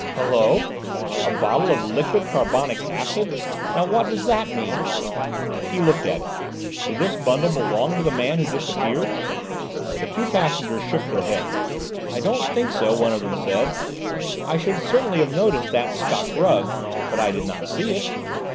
"Hullo! A bottle of liquid carbonic acid! Now what does that mean?" He looked at it. "Did this bundle belong to the man who disappeared?" The two passengers shook their heads. "I don't think so," one of them said; "I should certainly have noticed that Scotch rug; but I did not see it."